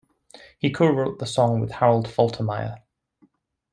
He co-wrote the song with Harold Faltermeyer.